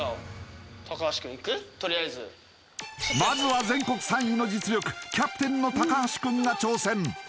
とりあえずまずは全国３位の実力キャプテンの高橋くんが挑戦